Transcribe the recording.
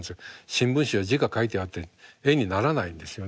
新聞紙は字が書いてあって絵にならないんですよね。